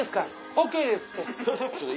ＯＫですって。